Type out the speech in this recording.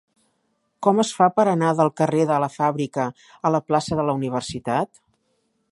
Com es fa per anar del carrer de la Fàbrica a la plaça de la Universitat?